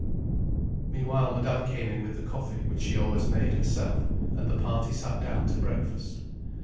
Meanwhile Madame came in with the coffee, which she always made herself, and the party sat down to breakfast.